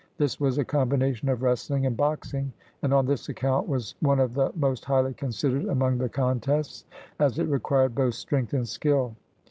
This was a combination of wrestling and boxing, and on this account was one of the most highly considered among the contests, as it required both strength and skill.